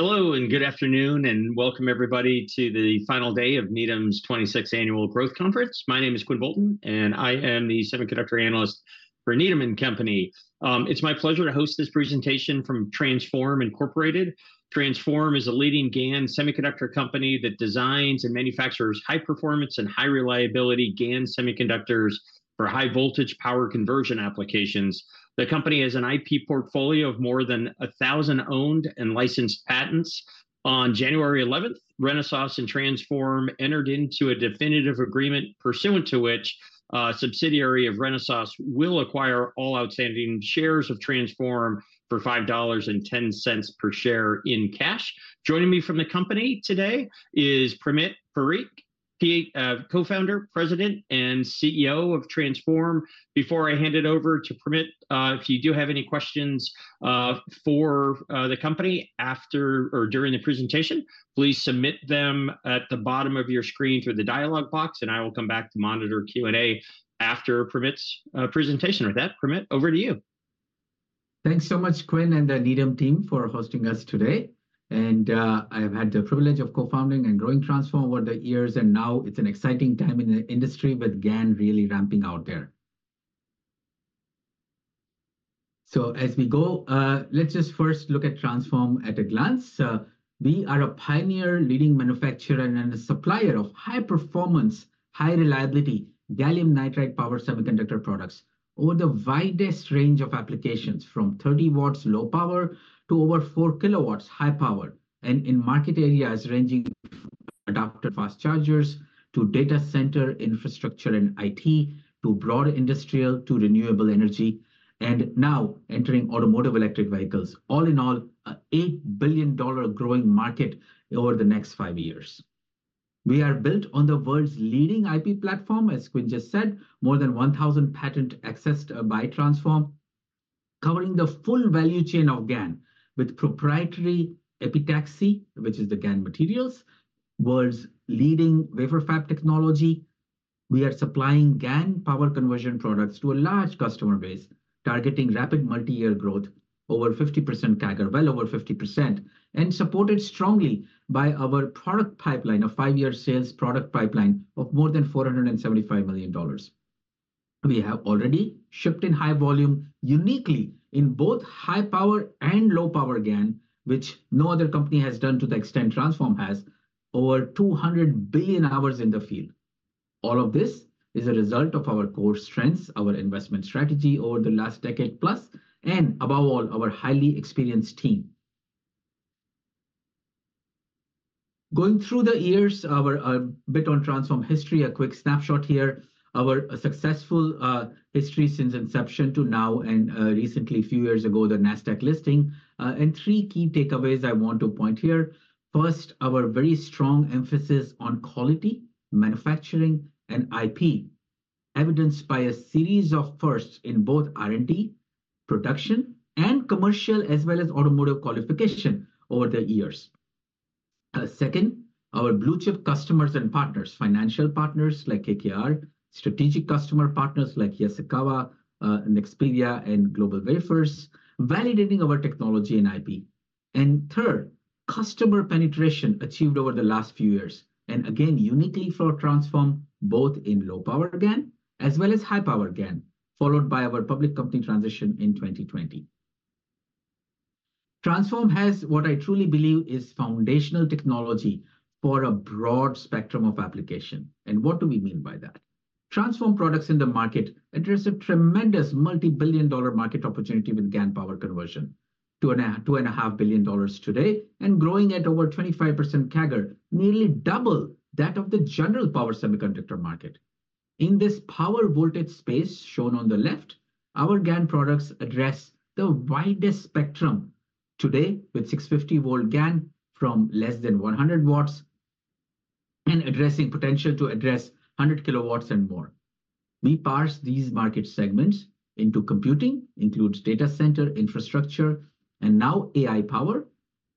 Hello, and good afternoon, and welcome everybody to the final day of Needham's 26th Annual Growth Conference. My name is Quinn Bolton, and I am the semiconductor analyst for Needham & Company. It's my pleasure to host this presentation from Transphorm, Incorporated. Transphorm is a leading GaN semiconductor company that designs and manufactures high performance and high reliability GaN semiconductors for high voltage power conversion applications. The company has an IP portfolio of more than 1,000 owned and licensed patents. On January eleventh, Renesas and Transphorm entered into a definitive agreement, pursuant to which a subsidiary of Renesas will acquire all outstanding shares of Transphorm for $5.10 per share in cash. Joining me from the company today is Primit Parikh, the co-founder, President, and CEO of Transphorm. Before I hand it over to Amit, if you do have any questions for the company after or during the presentation, please submit them at the bottom of your screen through the dialog box, and I will come back to monitor Q&A after Amit's presentation. With that, Amit, over to you. Thanks so much, Quinn, and the Needham team for hosting us today. I have had the privilege of co-founding and growing Transphorm over the years, and now it's an exciting time in the industry with GaN really ramping out there. So as we go, let's just first look at Transphorm at a glance. We are a pioneer leading manufacturer and a supplier of high performance, high reliability, gallium nitride power semiconductor products over the widest range of applications, from 30 W low power to over 4 kW high power, and in market areas ranging from adapter fast chargers to data center infrastructure and IT, to broad industrial, to renewable energy, and now entering automotive electric vehicles. All in all, an $8 billion growing market over the next five years. We are built on the world's leading IP platform, as Quinn just said, more than 1,000 patents accessed by Transphorm, covering the full value chain of GaN with proprietary epitaxy, which is the GaN materials, world's leading wafer fab technology. We are supplying GaN power conversion products to a large customer base, targeting rapid multi-year growth, over 50% CAGR, well over 50%, and supported strongly by our product pipeline, a five-year sales product pipeline of more than $475 million. We have already shipped in high volume, uniquely in both high power and low power GaN, which no other company has done to the extent Transphorm has, over 200 billion hours in the field. All of this is a result of our core strengths, our investment strategy over the last decade plus, and above all, our highly experienced team. Going through the years, our bit on Transphorm history, a quick snapshot here. Our successful history since inception to now and recently, a few years ago, the Nasdaq listing. And three key takeaways I want to point here: first, our very strong emphasis on quality, manufacturing, and IP, evidenced by a series of firsts in both R&D, production, and commercial, as automotive qualification over the years. Second, our blue chip customers and partners, financial partners like KKR, strategic customer partners like Yaskawa, Nexperia, and GlobalWafers, validating our technology and IP. And third, customer penetration achieved over the last few years, and again, uniquely for Transphorm, both in low power GaN as well as high power GaN, followed by our public company transition in 2020. Transphorm has what I truly believe is foundational technology for a broad spectrum of application. What do we mean by that? Transphorm products in the market address a tremendous multi-billion dollar market opportunity with GaN power conversion, $2.5 billion today, and growing at over 25% CAGR, nearly double that of the general power semiconductor market. In this power voltage space shown on the left, our GaN products address the widest spectrum today with 650 V GaN from less than 100 W and addressing potential to address 100 kW and more. We parse these market segments into computing, includes data center, infrastructure, and now AI power,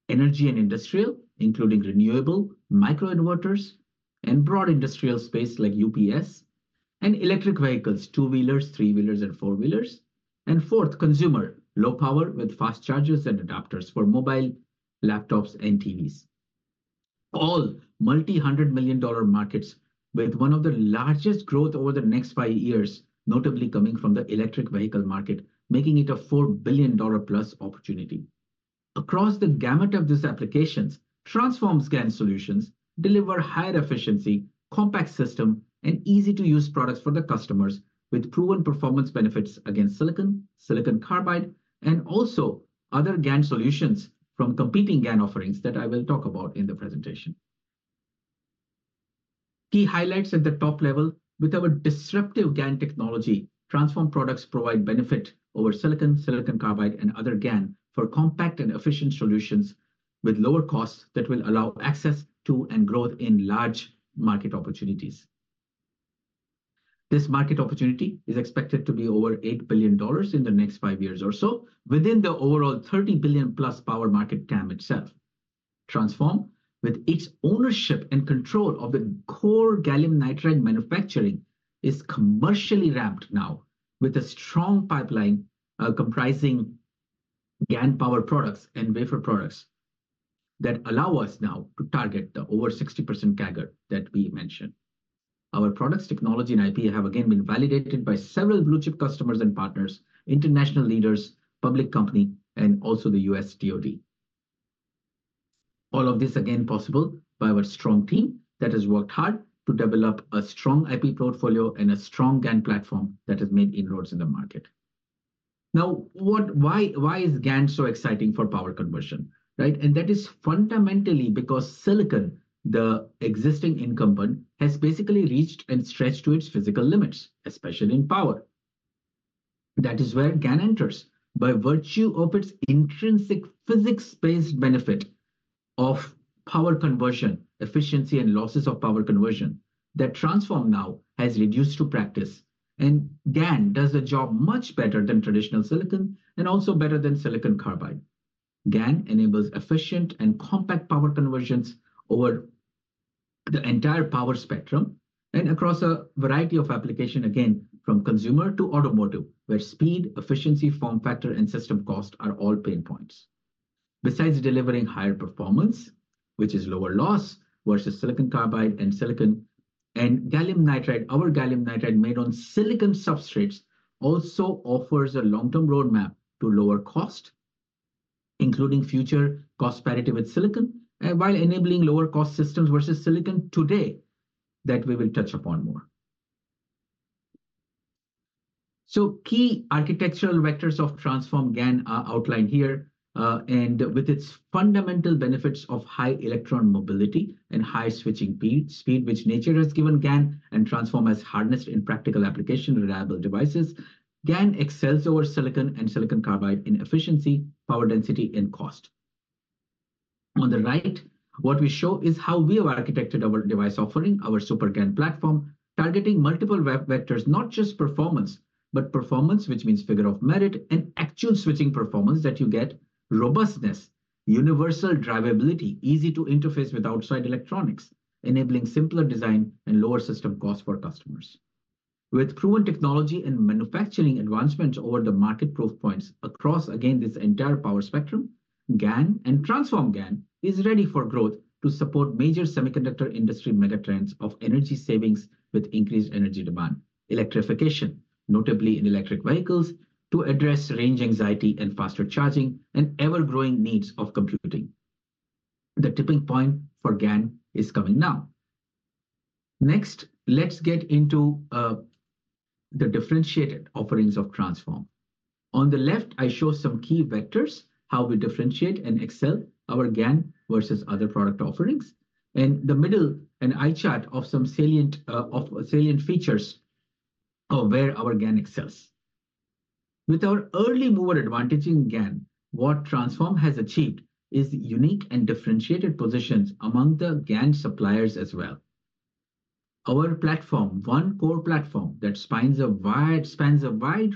energy and industrial, including renewable, microinverters, and broad industrial space like UPS, and electric vehicles, two-wheelers, three-wheelers, and four-wheelers, and fourth, consumer, low power with fast chargers and adapters for mobile, laptops, and TVs. All multi-hundred-million-dollar markets, with one of the largest growth over the next 5 years, notably coming from the electric vehicle market, making it a $4 billion-plus opportunity. Across the gamut of these applications, Transphorm's GaN solutions deliver higher efficiency, compact system, and easy-to-use products for the customers, with proven performance benefits against silicon, silicon carbide, and also other GaN solutions from competing GaN offerings that I will talk about in the presentation. Key highlights at the top level. With our disruptive GaN technology, Transphorm products provide benefit over silicon, silicon carbide, and other GaN for compact and efficient solutions with lower costs that will allow access to and growth in large market opportunities. This market opportunity is expected to be over $8 billion in the next 5 years or so, within the overall $30 billion-plus power market TAM itself. Transphorm, with its ownership and control of the core gallium nitride manufacturing is commercially ramped now with a strong pipeline, comprising GaN power products and wafer products that allow us now to target the over 60% CAGR that we mentioned. Our products, technology, and IP have again been validated by several blue-chip customers and partners, international leaders, public company, and also the U.S. DoD. All of this again possible by our strong team that has worked hard to develop a strong IP portfolio and a strong GaN platform that has made inroads in the market. Now, what-- why, why is GaN so exciting for power conversion, right? And that is fundamentally because silicon, the existing incumbent, has basically reached and stretched to its physical limits, especially in power. That is where GaN enters. By virtue of its intrinsic physics-based benefit of power conversion, efficiency, and losses of power conversion, that Transphorm now has reduced to practice, and GaN does the job much better than traditional silicon and also better than silicon carbide. GaN enables efficient and compact power conversions over the entire power spectrum and across a variety of application, again, from consumer to automotive, where speed, efficiency, form factor, and system cost are all pain points. Besides delivering higher performance, which is lower loss versus silicon carbide and silicon and gallium nitride, our gallium nitride made on silicon substrates also offers a long-term roadmap to lower cost, including future cost parity with silicon, and while enabling lower cost systems versus silicon today, that we will touch upon more. So key architectural vectors of Transphorm GaN are outlined here, and with its fundamental benefits of high electron mobility and high switching speed, speed which nature has given GaN and Transphorm has harnessed in practical application reliable devices. GaN excels over silicon and silicon carbide in efficiency, power density, and cost. On the right, what we show is how we have architected our device offering, our SuperGaN platform, targeting multiple WBG vectors, not just performance, but performance, which means figure of merit and actual switching performance that you get, robustness, universal drivability, easy to interface with outside electronics, enabling simpler design and lower system costs for customers. With proven technology and manufacturing advancements over the market proof points across, again, this entire power spectrum, GaN and Transphorm GaN is ready for growth to support major semiconductor industry megatrends of energy savings with increased energy demand, electrification, notably in electric vehicles, to address range anxiety and faster charging and ever-growing needs of computing. The tipping point for GaN is coming now. Next, let's get into the differentiated offerings of Transphorm. On the left, I show some key vectors, how we differentiate and excel our GaN versus other product offerings. In the middle, an eye chart of some salient features of where our GaN excels. With our early mover advantage in GaN, what Transphorm has achieved is unique and differentiated positions among the GaN suppliers. Our platform, one core platform that spans a wide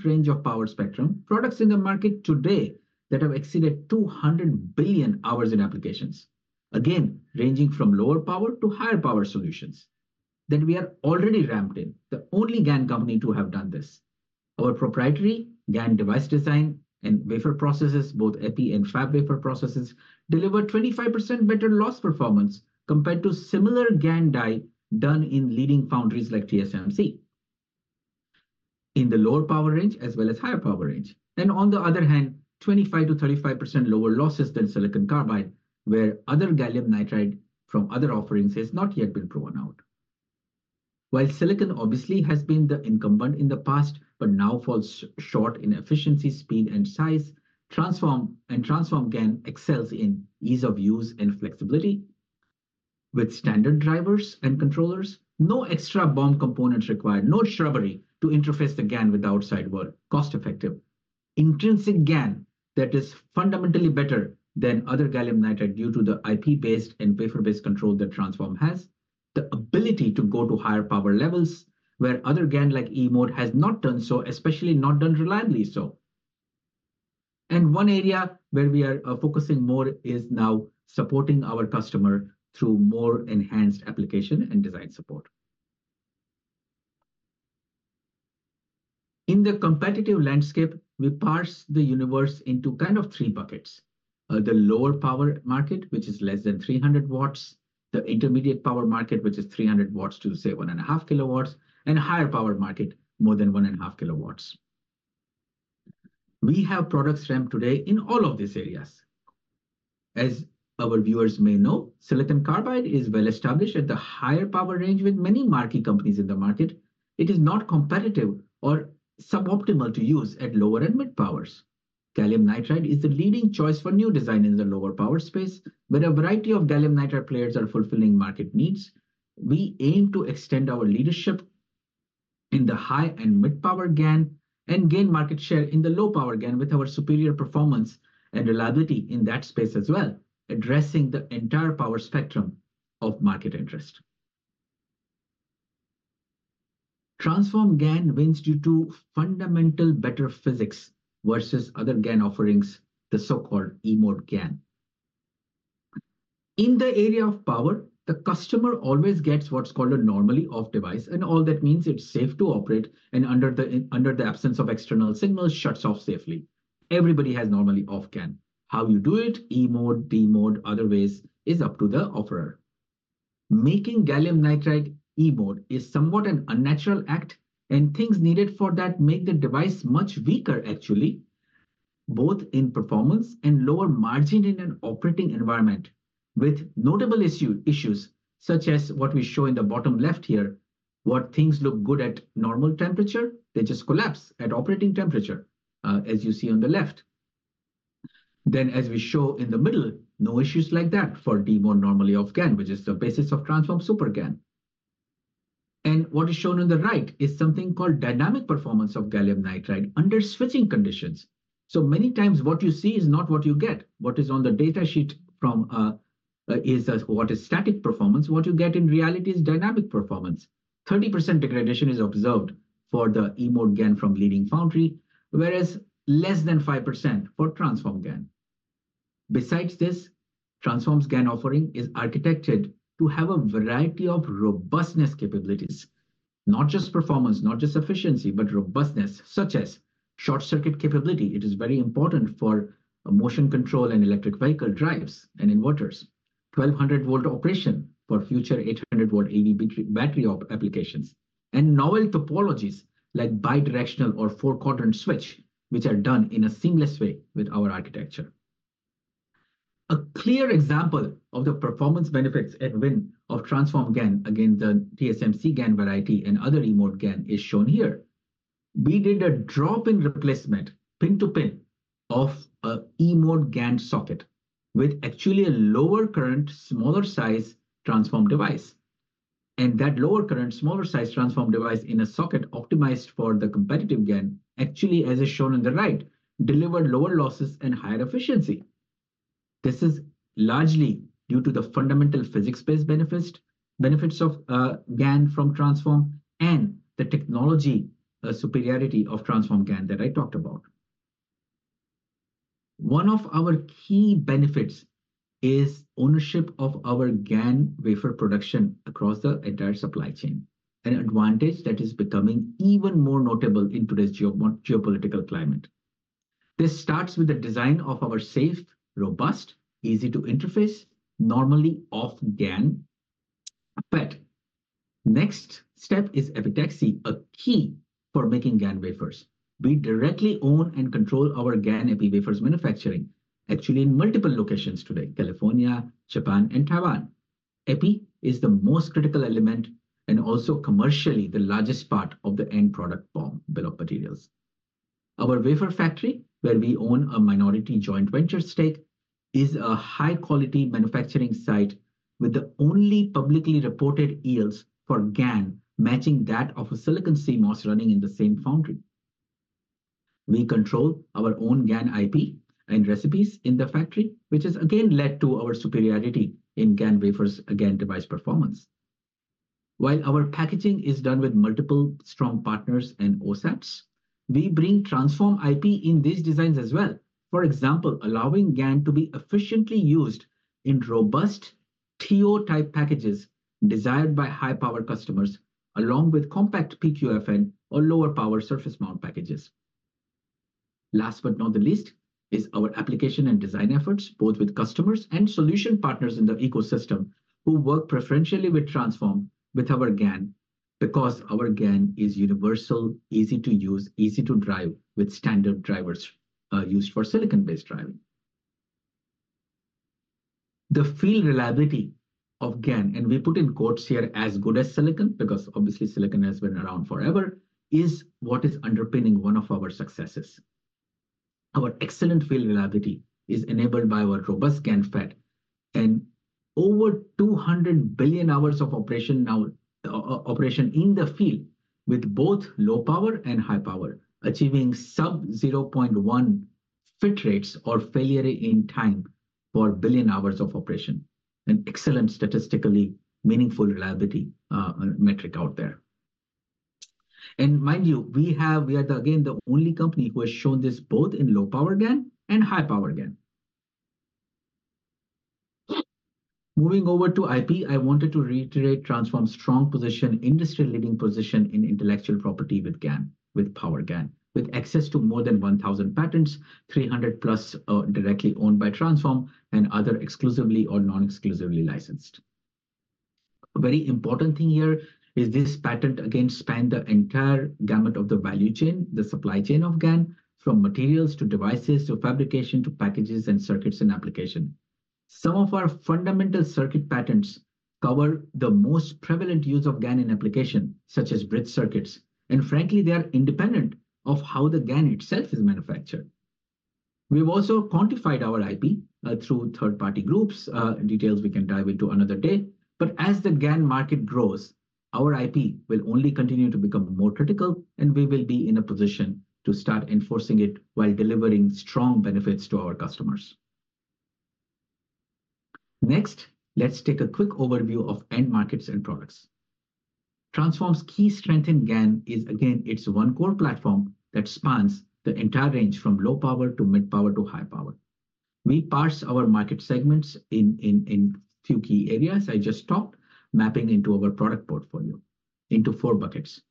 range of power spectrum, products in the market today that have exceeded 200 billion hours in applications, again, ranging from lower power to higher power solutions, that we are already ramped in, the only GaN company to have done this. Our proprietary GaN device design and wafer processes, both epi and fab wafer processes, deliver 25% better loss performance compared to similar GaN die done in leading foundries like TSMC. In the lower power range as higher power range. Then, on the other hand, 25%-35% lower losses than silicon carbide, where other gallium nitride from other offerings has not yet been proven out. While silicon obviously has been the incumbent in the past, but now falls short in efficiency, speed, and size, Transphorm and Transphorm GaN excels in ease of use and flexibility with standard drivers and controllers. No extra board components required, no circuitry to interface the GaN with the outside world. Cost-effective. Intrinsic GaN that is fundamentally better than other gallium nitride due to the IP-based and wafer-based control that Transphorm has, the ability to go to higher power levels where other GaN, like E-mode, has not done so, especially not done reliably so. And one area where we are focusing more is now supporting our customer through more enhanced application and design support. In the competitive landscape, we parse the universe into three buckets: the lower power market, which is less than 300 watts, the intermediate power market, which is 300 watts to, say, 1.5 kilowatts, and higher power market, more than 1.5 kilowatts. We have products ramped today in all of these areas. As our viewers may know, silicon carbide is well established at the higher power range with many marquee companies in the market. It is not competitive or suboptimal to use at lower and mid powers. Gallium nitride is the leading choice for new design in the lower power space, but a variety of gallium nitride players are fulfilling market needs. We aim to extend our leadership in the high and mid-power GaN and gain market share in the low-power GaN with our superior performance and reliability in that space, addressing the entire power spectrum of market interest. Transphorm GaN wins due to fundamental better physics versus other GaN offerings, the so-called E-mode GaN. In the area of power, the customer always gets what's called a normally off device, and all that means it's safe to operate, and under the absence of external signals, shuts off safely. Everybody has normally off GaN. How you do it, E-mode, D-mode, other ways, is up to the offerer. Making gallium nitride E-mode is somewhat an unnatural act, and things needed for that make the device much weaker, actually, both in performance and lower margin in an operating environment, with notable issues such as what we show in the bottom left here, where things look good at normal temperature, they just collapse at operating temperature, as you see on the left. Then, as we show in the middle, no issues like that for D-mode normally off GaN, which is the basis of Transphorm SuperGaN. And what is shown on the right is something called dynamic performance of gallium nitride under switching conditions. So many times what you see is not what you get. What is on the data sheet from, is, what is static performance, what you get in reality is dynamic performance. 30% degradation is observed for the E-mode GaN from leading foundry, whereas less than 5% for Transphorm GaN. Besides this, Transphorm's GaN offering is architected to have a variety of robustness capabilities. Not just performance, not just efficiency, but robustness, such as short-circuit capability. It is very important for motion control and electric vehicle drives and inverters. 1,200-volt operation for future 800-volt EV battery op applications, and novel topologies like bidirectional or four-quadrant switch, which are done in a seamless way with our architecture. A clear example of the performance benefits and win of Transphorm GaN against the TSMC GaN variety and other E-mode GaN is shown here. We did a drop-in replacement, pin to pin, of a E-mode GaN socket with actually a lower current, smaller size Transphorm device. That lower current, smaller size Transphorm device in a socket optimized for the competitive GaN, actually, as is shown on the right, delivered lower losses and higher efficiency. This is largely due to the fundamental physics-based benefits, benefits of GaN from Transphorm and the technology superiority of Transphorm GaN that I talked about. One of our key benefits is ownership of our GaN wafer production across the entire supply chain, an advantage that is becoming even more notable in today's geopolitical climate. This starts with the design of our safe, robust, easy to interface, normally off GaN. But next step is epitaxy, a key for making GaN wafers. We directly own and control our GaN epi wafers manufacturing, actually in multiple locations today: California, Japan, and Taiwan. Epi is the most critical element and also commercially the largest part of the end product BOM, bill of materials. Our wafer factory, where we own a minority joint venture stake, is a high-quality manufacturing site with the only publicly reported yields for GaN, matching that of a silicon CMOS running in the same foundry. We control our own GaN IP and recipes in the factory, which has again led to our superiority in GaN wafers, again, device performance. While our packaging is done with multiple strong partners and OSATs, we bring Transphorm IP in these designs. For example, allowing GaN to be efficiently used in robust TO-type packages desired by high-power customers, along with compact PQFN or lower power surface mount packages. Last but not the least, is our application and design efforts, both with customers and solution partners in the ecosystem, who work preferentially with Transphorm with our GaN, because our GaN is universal, easy to use, easy to drive, with standard drivers, used for silicon-based driving. The field reliability of GaN, and we put in quotes here, "as good as silicon," because obviously silicon has been around forever, is what is underpinning one of our successes. Our excellent field reliability is enabled by our robust GaN FET and over 200 billion hours of operation now operation in the field with both low power and high power, achieving sub 0.1 FIT rates or failure in time for billion hours of operation, an excellent, statistically meaningful reliability, metric out there. Mind you, we have—we are, again, the only company who has shown this both in low-power GaN and high-power GaN. Moving over to IP, I wanted to reiterate Transphorm's strong position, industry-leading position in intellectual property with GaN, with power GaN, with access to more than 1,000 patents, 300 plus, directly owned by Transphorm, and other exclusively or non-exclusively licensed. A very important thing here is these patents, again, span the entire gamut of the value chain, the supply chain of GaN, from materials to devices, to fabrication, to packages, and circuits, and application. Some of our fundamental circuit patents cover the most prevalent use of GaN in application, such as bridge circuits, and frankly, they are independent of how the GaN itself is manufactured. We've also quantified our IP through third-party groups, details we can dive into another day. But as the GaN market grows, our IP will only continue to become more critical, and we will be in a position to start enforcing it while delivering strong benefits to our customers. Next, let's take a quick overview of end markets and products. Transphorm's key strength in GaN is, again, it's one core platform that spans the entire range from low power to mid power to high power. We parse our market segments in two key areas I just talked, mapping into our product portfolio into four buckets: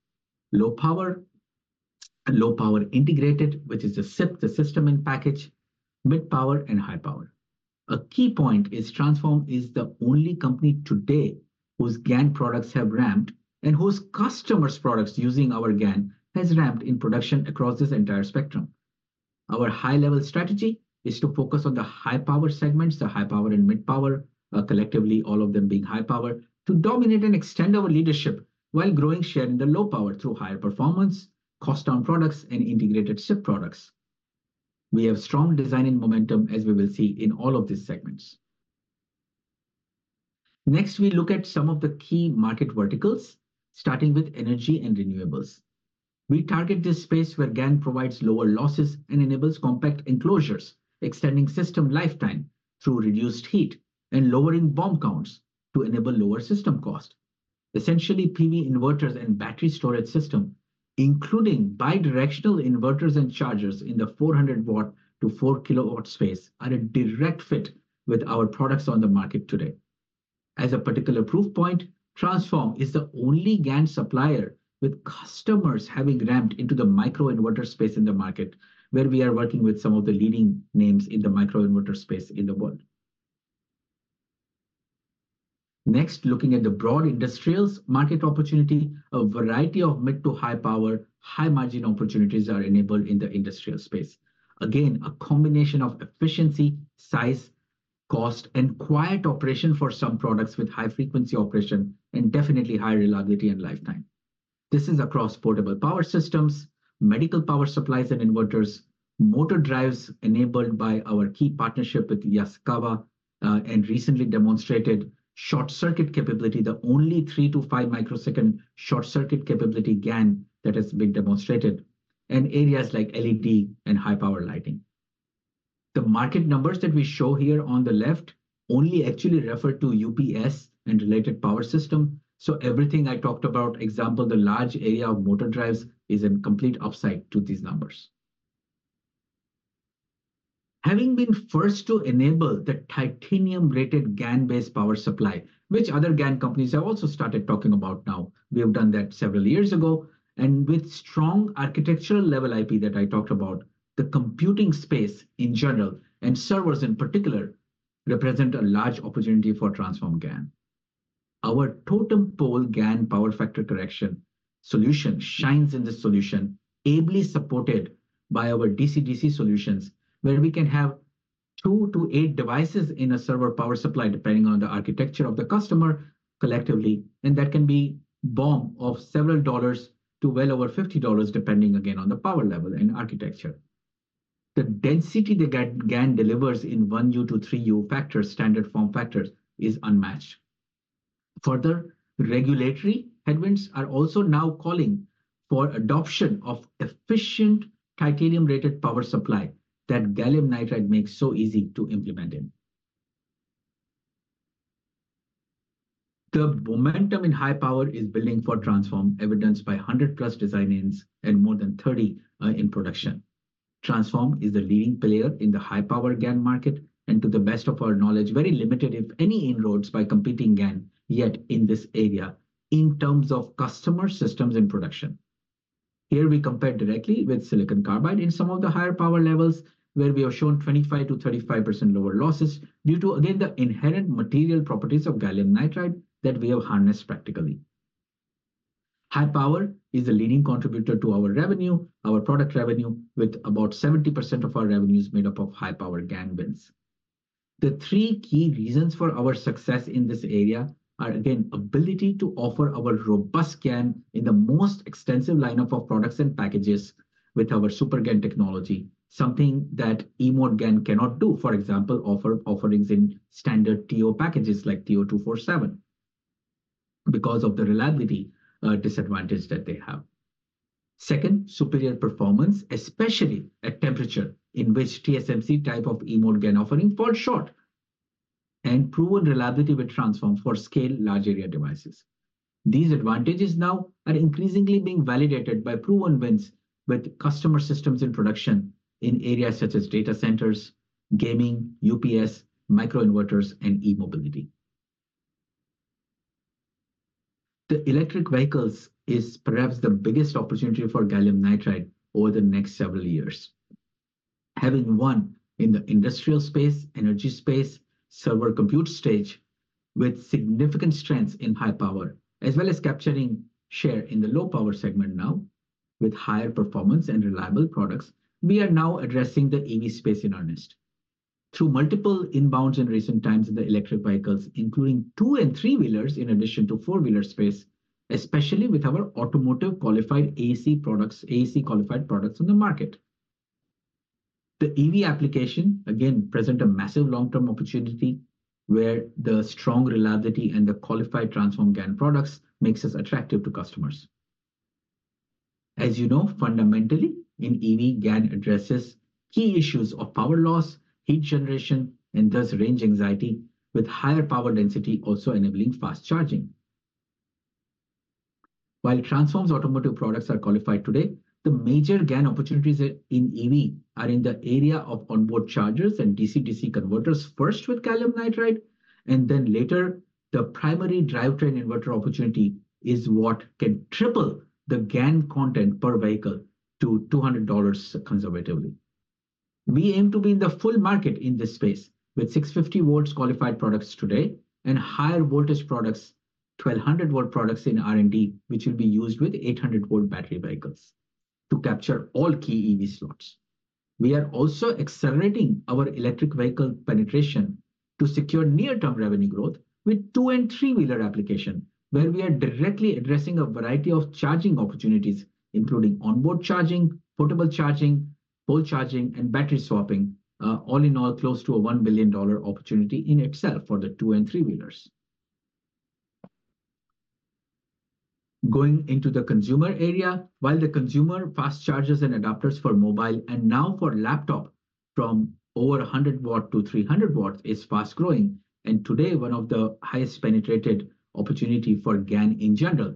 low power, and low power integrated, which is the SiP, the system in package, mid power, and high power. A key point is Transphorm is the only company today whose GaN products have ramped and whose customers' products using our GaN has ramped in production across this entire spectrum. Our high-level strategy is to focus on the high-power segments, the high power and mid power, collectively, all of them being high power, to dominate and extend our leadership while growing share in the low power through higher performance, cost on products, and integrated SiP products. We have strong designing momentum, as we will see in all of these segments. Next, we look at some of the key market verticals, starting with energy and renewables. We target this space where GaN provides lower losses and enables compact enclosures, extending system lifetime through reduced heat and lowering BOM counts to enable lower system cost. Essentially, PV inverters and battery storage system, including bidirectional inverters and chargers in the 400-watt to 4-kilowatt space, are a direct fit with our products on the market today. As a particular proof point, Transphorm is the only GaN supplier with customers having ramped into the microinverter space in the market, where we are working with some of the leading names in the microinverter space in the world. Next, looking at the broad industrials market opportunity, a variety of mid to high power, high-margin opportunities are enabled in the industrial space. Again, a combination of efficiency, size, cost, and quiet operation for some products with high-frequency operation and definitely high reliability and lifetime. This is across portable power systems, medical power supplies and inverters, motor drives enabled by our key partnership with Yaskawa, and recently demonstrated short circuit capability, the only 3-5 microsecond short circuit capability GaN that has been demonstrated, and areas like LED and high-power lighting. The market numbers that we show here on the left only actually refer to UPS and related power systems, so everything I talked about, example, the large area of motor drives, is in complete outside to these numbers. Having been first to enable the Titanium-rated GaN-based power supply, which other GaN companies have also started talking about now, we have done that several years ago, and with strong architectural level IP that I talked about, the computing space in general, and servers in particular, represent a large opportunity for Transphorm GaN. Our totem-pole GaN power factor correction solution shines in this solution, ably supported by our DC-DC solutions, where we can have 2-8 devices in a server power supply, depending on the architecture of the customer collectively, and that can be BOM of several dollars to well over $50, depending again, on the power level and architecture. The density that GaN delivers in 1U to 3U factor, standard form factors, is unmatched. Further, regulatory headwinds are also now calling for adoption of efficient Titanium-rated power supply that gallium nitride makes so easy to implement in. The momentum in high power is building for Transphorm, evidenced by 100+ design wins and more than 30 in production. Transphorm is the leading player in the high-power GaN market, and to the best of our knowledge, very limited, if any, inroads by competing GaN yet in this area in terms of customer systems in production. Here we compare directly with silicon carbide in some of the higher power levels, where we are shown 25%-35% lower losses due to, again, the inherent material properties of gallium nitride that we have harnessed practically. High power is a leading contributor to our revenue, our product revenue, with about 70% of our revenue is made up of high-power GaN wins. The three key reasons for our success in this area are, again, ability to offer our robust GaN in the most extensive lineup of products and packages with our SuperGaN technology, something that E-mode GaN cannot do. For example, offer offerings in standard TO packages like TO-247 because of the reliability disadvantage that they have. Second, superior performance, especially at temperature in which TSMC type of E-mode GaN offering falls short, and proven reliability with Transphorm for scale large area devices. These advantages now are increasingly being validated by proven wins with customer systems in production in areas such as data centers, gaming, UPS, microinverters, and e-mobility. The electric vehicles is perhaps the biggest opportunity for gallium nitride over the next several years. Having won in the industrial space, energy space, server compute stage, with significant strengths in high power, as capturing share in the low power segment now with higher performance and reliable products, we are now addressing the EV space in earnest. Through multiple inbounds in recent times, the electric vehicles, including two and three wheelers, in addition to four-wheeler space, especially with our automotive qualified AEC products, AEC qualified products on the market. The EV application, again, present a massive long-term opportunity where the strong reliability and the qualified Transphorm GaN products makes us attractive to customers. As you know, fundamentally, in EV, GaN addresses key issues of power loss, heat generation, and thus range anxiety, with higher power density also enabling fast charging. While Transphorm's automotive products are qualified today, the major GaN opportunities in EV are in the area of onboard chargers and DC-DC converters, first with gallium nitride, and then later, the primary drivetrain inverter opportunity is what can triple the GaN content per vehicle to $200 conservatively. We aim to be in the full market in this space, with 650-volt qualified products today and higher voltage products, 1,200-volt products in R&D, which will be used with 800-volt battery vehicles to capture all key EV slots. We are also accelerating our electric vehicle penetration to secure near-term revenue growth with 2- and 3-wheeler application, where we are directly addressing a variety of charging opportunities, including onboard charging, portable charging, pole charging, and battery swapping. All in all, close to a $1 billion opportunity in itself for the 2- and 3-wheelers. Going into the consumer area, while the consumer fast chargers and adapters for mobile and now for laptop from over 100 W to 300 W is fast growing, and today one of the highest penetrated opportunity for GaN in general.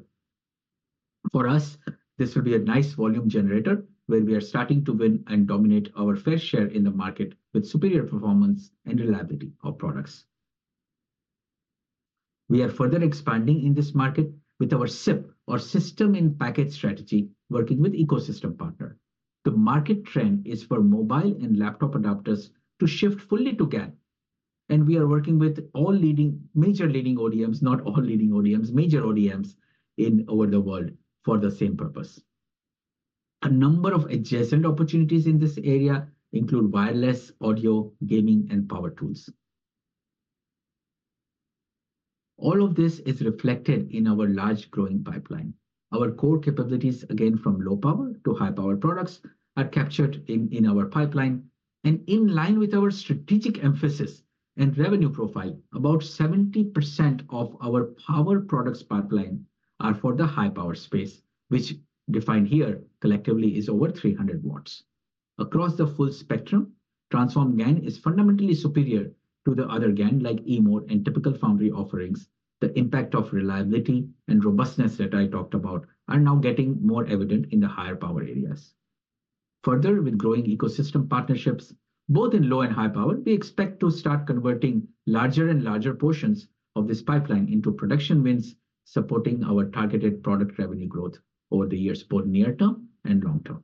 For us, this will be a nice volume generator, where we are starting to win and dominate our fair share in the market with superior performance and reliability of products. We are further expanding in this market with our SiP, or System in Package strategy, working with ecosystem partner. The market trend is for mobile and laptop adapters to shift fully to GaN, and we are working with major leading ODMs, not all leading ODMs, major ODMs in over the world for the same purpose. A number of adjacent opportunities in this area include wireless, audio, gaming, and power tools. All of this is reflected in our large growing pipeline. Our core capabilities, again, from low power to high power products, are captured in our pipeline. In line with our strategic emphasis and revenue profile, about 70% of our power products pipeline are for the high power space, which defined here collectively is over 300 watts. Across the full spectrum, Transphorm GaN is fundamentally superior to the other GaN, like E-mode and typical foundry offerings. The impact of reliability and robustness that I talked about are now getting more evident in the higher power areas. Further, with growing ecosystem partnerships, both in low and high power, we expect to start converting larger and larger portions of this pipeline into production wins, supporting our targeted product revenue growth over the years, both near term and long term.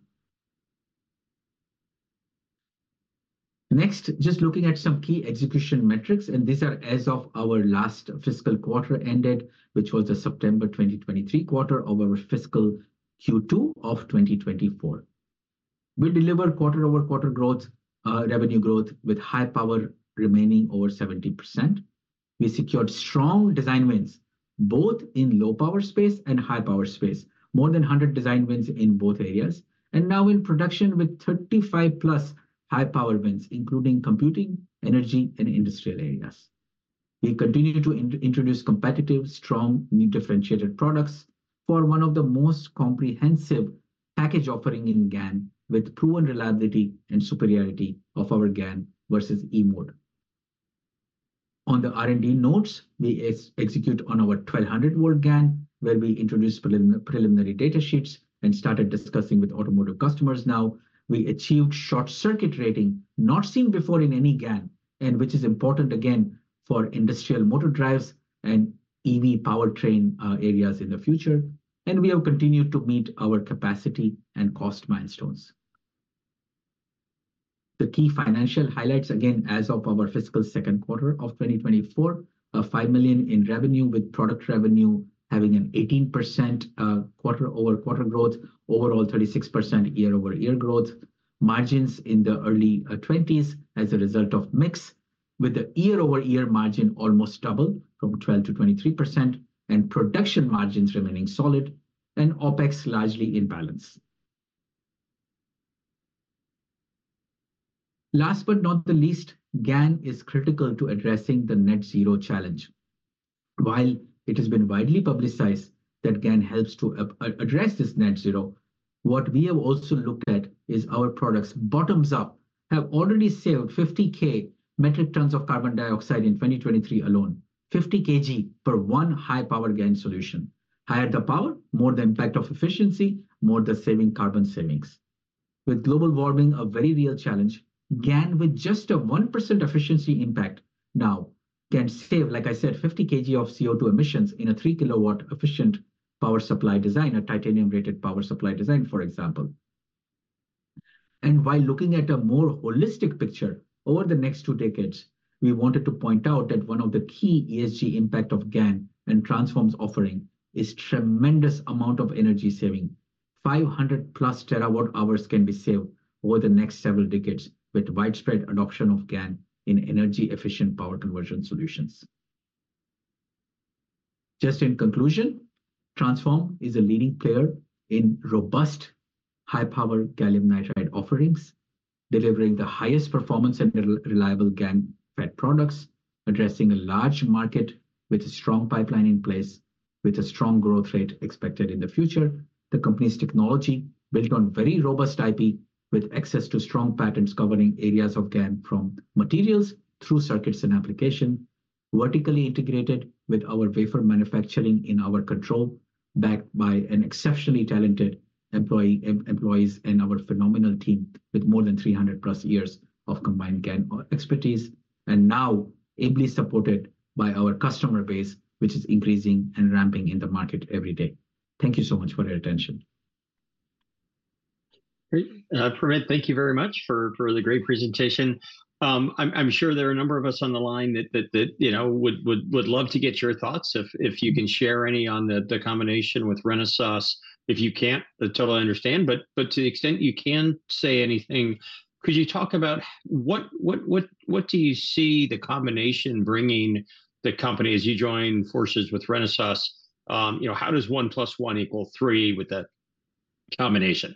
Next, just looking at some key execution metrics, and these are as of our last fiscal quarter ended, which was the September 2023 quarter of our fiscal Q2 of 2024. We delivered quarter-over-quarter growth, uh, revenue growth, with high power remaining over 70%. We secured strong design wins, both in low power space and high power space. More than 100 design wins in both areas, and now in production with 35+ high power wins, including computing, energy, and industrial areas. We continue to introduce competitive, strong, new differentiated products for one of the most comprehensive package offering in GaN, with proven reliability and superiority of our GaN versus E-mode. On the R&D notes, we execute on our 1,200-watt GaN, where we introduced preliminary data sheets and started discussing with automotive customers now. We achieved short circuit rating, not seen before in any GaN, and which is important again for industrial motor drives and EV powertrain areas in the future, and we have continued to meet our capacity and cost milestones. The key financial highlights, again, as of our fiscal second quarter of 2024, are $5 million in revenue, with product revenue having an 18% quarter-over-quarter growth, overall 36% year-over-year growth. Margins in the early 20s as a result of mix, with the year-over-year margin almost double, from 12%-23%, and production margins remaining solid and OpEx largely in balance. Last but not the least, GaN is critical to addressing the net zero challenge. While it has been widely publicized that GaN helps to address this net zero, what we have also looked at is our products, bottoms up, have already saved 50K metric tons of carbon dioxide in 2023 alone, 50 kg per one high-power GaN solution. Higher the power, more the impact of efficiency, more the saving carbon savings. With global warming a very real challenge, GaN with just a 1% efficiency impact now can save, like I said, 50 kg of CO2 emissions in a 3-kilowatt efficient power supply design, a Titanium-rated power supply design, for example. And while looking at a more holistic picture over the next two decades, we wanted to point out that one of the key ESG impact of GaN and Transphorm's offering is tremendous amount of energy saving. 500+ terawatt-hours can be saved over the next several decades with widespread adoption of GaN in energy efficient power conversion solutions. Just in conclusion, Transphorm is a leading player in robust high-power gallium nitride offerings, delivering the highest performance and reliable GaN FET products, addressing a large market with a strong pipeline in place, with a strong growth rate expected in the future. The company's technology, built on very robust IP, with access to strong patents covering areas of GaN from materials through circuits and application, vertically integrated with our wafer manufacturing in our control, backed by an exceptionally talented employees, and our phenomenal team with more than 300+ years of combined GaN expertise. And now ably supported by our customer base, which is increasing and ramping in the market every day. Thank you so much for your attention. Great. Primit, thank you very much for the great presentation. I'm sure there are a number of us on the line that you know would love to get your thoughts, if you can share any on the combination with Renesas. If you can't, I totally understand, but to the extent you can say anything, could you talk about what do you see the combination bringing the company as you join forces with Renesas? You know, how does one plus one equal three with that combination?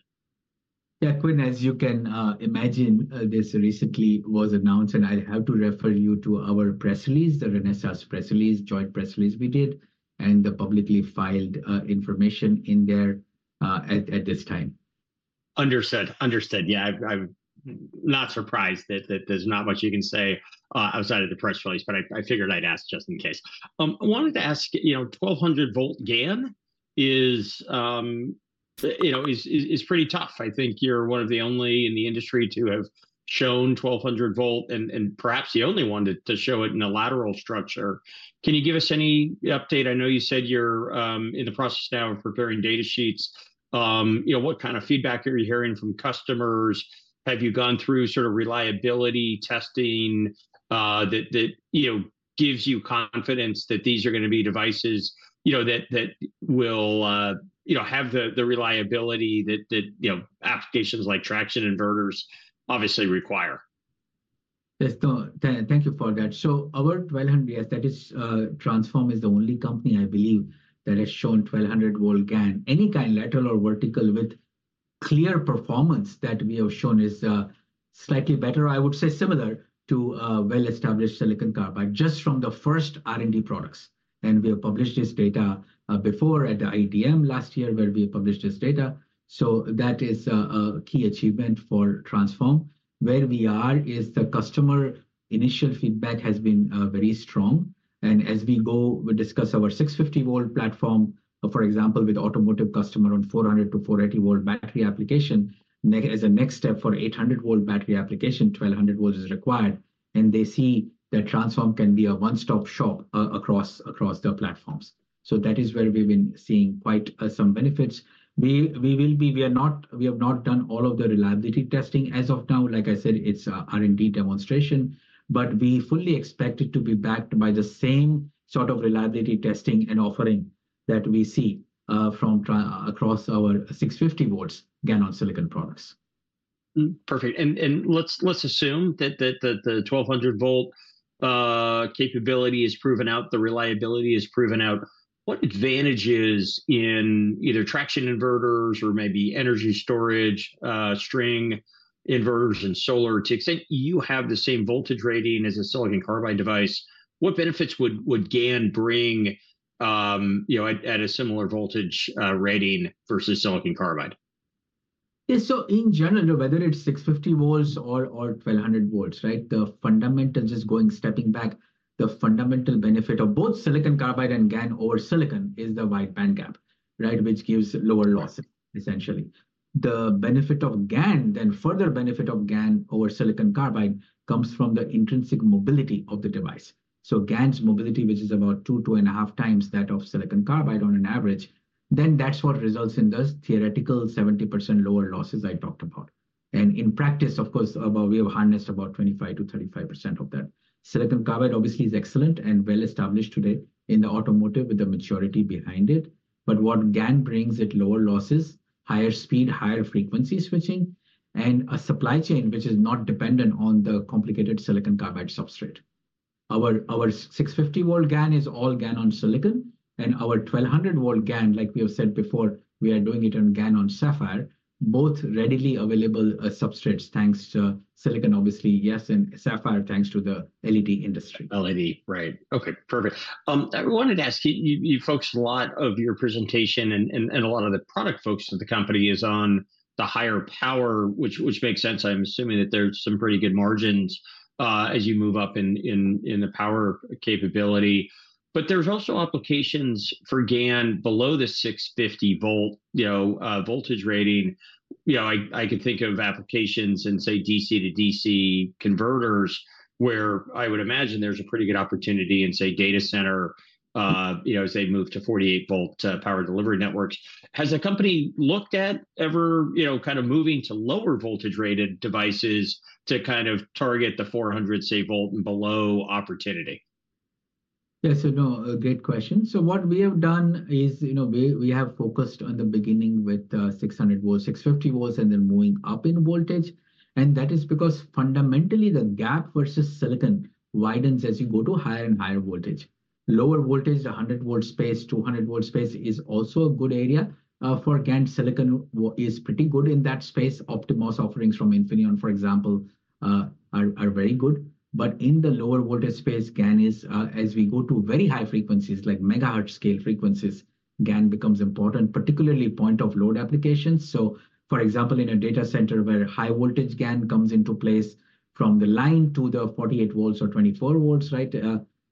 Quinn, as you can imagine, this recently was announced, and I'd have to refer you to our press release, the Renesas press release, joint press release we did, and the publicly filed information in there, at this time. Understood. Understood. I've, I'm not surprised that, that there's not much you can say outside of the press release, but I, I figured I'd ask just in case. I wanted to ask, you know, 1200-volt GaN is, you know, is pretty tough. I think you're one of the only in the industry to have shown 1200-volt and, and perhaps the only one to show it in a lateral structure. Can you give us any update? I know you said you're in the process now of preparing data sheets. You know, what feedback are you hearing from customers? Have you gone through reliability testing that you know gives you confidence that these are gonna be devices you know that will you know have the reliability that you know applications like traction inverters obviously require? Yes, so thank you for that. So our 1200, yes, that is, Transphorm is the only company, I believe, that has shown 1200-volt GaN. Any kind, lateral or vertical, with clear performance that we have shown is slightly better, I would say similar to a well-established silicon carbide, just from the first R&D products. And we have published this data before at the IDM last year, where we published this data. So that is a key achievement for Transphorm. Where we are is the customer initial feedback has been very strong, and as we go, we discuss our 650-volt platform, for example, with automotive customer on 400- to 480-volt battery application. As a next step for 800-volt battery application, 1,200 volts is required, and they see that Transphorm can be a one-stop shop across the platforms. So that is where we've been seeing quite some benefits. We are not. We have not done all of the reliability testing. As of now, like I said, it's a R&D demonstration, but we fully expect it to be backed by the same reliability testing and offering that we see from across our 650-volt GaN-on-silicon products. Perfect. Let's assume that the 1200-volt capability is proven out, the reliability is proven out. What advantages in either traction inverters or maybe energy storage, string inverters and solar, to the extent you have the same voltage rating as a silicon carbide device, what benefits would GaN bring, you know, at a similar voltage rating versus silicon carbide? So in general, whether it's 650 volts or 1200 volts, right, the fundamentals is going, stepping back, the fundamental benefit of both silicon carbide and GaN over silicon is the wide band gap, right? Which gives lower loss essentially. The benefit of GaN, then further benefit of GaN over silicon carbide comes from the intrinsic mobility of the device. So GaN's mobility, which is about 2-2.5 times that of silicon carbide on an average, then that's what results in those theoretical 70% lower losses I talked about. And in practice, of course, about we have harnessed about 25%-35% of that. Silicon carbide obviously is excellent and well established today in the automotive with the maturity behind it, but what GaN brings at lower losses, higher speed, higher frequency switching, and a supply chain which is not dependent on the complicated silicon carbide substrate. Our 650-volt GaN is all GaN on silicon, and our 1200-volt GaN, like we have said before, we are doing it on GaN on sapphire, both readily available substrates, thanks to silicon, obviously, yes, and sapphire, thanks to the LED industry. LED, right. Okay, perfect. I wanted to ask you. You focused a lot of your presentation and a lot of the product focus of the company is on the higher power, which makes sense. I'm assuming that there's some pretty good margins as you move up in the power capability. But there's also applications for GaN below the 650-volt, you know, voltage rating. You know, I can think of applications in, say, DC to DC converters, where I would imagine there's a pretty good opportunity in, say, data center, you know, as they move to 48-volt power delivery networks. Has the company looked at ever, you know, moving to lower voltage-rated devices to target the 400-volt and below opportunity? Yes, so no, a great question. So what we have done is, you know, we, we have focused on the beginning with 600 volts, 650 volts, and then moving up in voltage, and that is because fundamentally the gap versus silicon widens as you go to higher and higher voltage. Lower voltage, 100-volt space, 200-volt space, is also a good area. For GaN, silicon is pretty good in that space. Optimus offerings from Infineon, for example, are, are very good. But in the lower voltage space, GaN is, as we go to very high frequencies, like megahertz scale frequencies, GaN becomes important, particularly point of load applications. So for example, in a data center where high voltage GaN comes into place from the line to the 48 volts or 24 volts, right,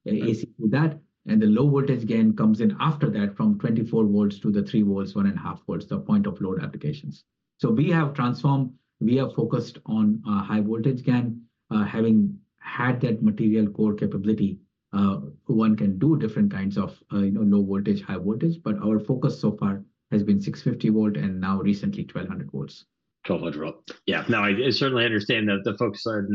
AC to that, and the low voltage GaN comes in after that from 24 volts to the 3 volts, 1.5 volts, the point of load applications. So we have Transphorm, we are focused on high voltage GaN. Having had that material core capability, one can do different kinds of, you know, low voltage, high voltage, but our focus so far has been 650 volt and now recently, 1200 volts. 1200-volt. No, I certainly understand that the focus on,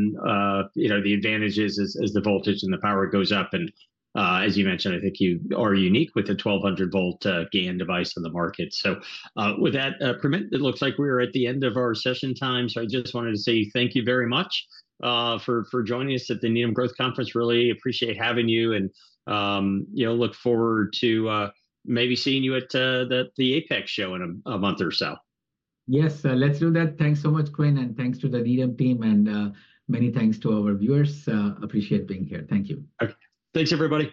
you know, the advantages as the voltage and the power goes up, and, as you mentioned, I think you are unique with the 1200-volt GaN device on the market. So, with that, Primit, it looks like we're at the end of our session time, so I just wanted to say thank you very much for joining us at the Needham Growth Conference. Really appreciate having you and, you know, look forward to maybe seeing you at the Apex show in a month or so. Yes, let's do that. Thanks so much, Quinn, and thanks to the Needham team and many thanks to our viewers. Appreciate being here. Thank you. Okay. Thanks, everybody.